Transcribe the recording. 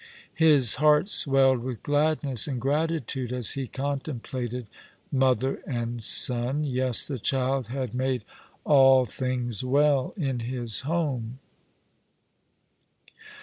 His heart swelled with gladness and gratitude as he con templated mother and son. Yes, the child had made all things well in his home.